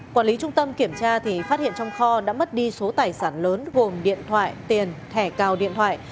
quản lý trung tâm kiểm tra thì phát hiện trong kho đã mất đi số tài sản lớn gồm điện thoại tiền thẻ cào điện thoại